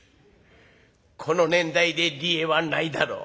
この年代で「りえ」はないだろう。